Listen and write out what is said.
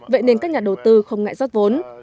vậy nên các nhà đầu tư không ngại rót vốn